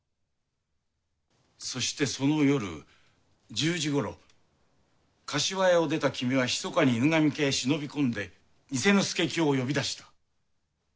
そしてその夜１０時ごろ柏屋を出た君は密かに犬神家へ忍び込んで偽の佐清を呼び出した。